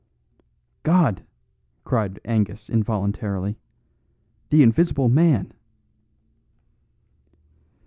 "God!" cried Angus involuntarily, "the Invisible Man!"